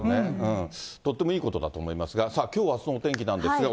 とってもいいことだと思いますが、さあ、きょうはそのお天気なんですが。